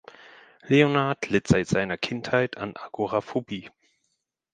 Leonard litt seit seiner Kindheit an Agoraphobie.